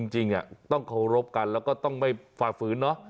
จริงต้องเคารพกันแล้วก็ต้องไม่ฝ่าฝืนเนาะ